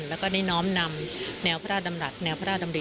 แล้วก็ได้น้อมนำแนวพระราชดำรัฐแนวพระราชดำริ